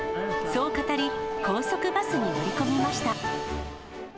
そう語り、高速バスに乗り込みました。